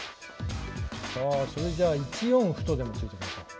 それじゃあ１四歩とでも突いときましょう。